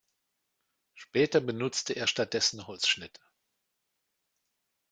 Später benutzte er stattdessen Holzschnitte.